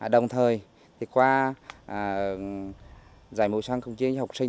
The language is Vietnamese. đồng thời thì qua dạy mối soan cồng chiêng cho học sinh